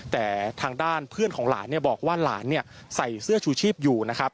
แต่ทางด้านเพื่อนของหลานบอกว่าหลานใส่เสื้อชูชีพอยู่นะครับ